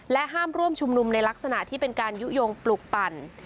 ห้ามร่วมชุมนุมในลักษณะที่เป็นการยุโยงปลุกปั่น